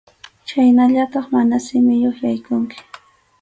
Chhaynallataq mana simiyuq yaykunki.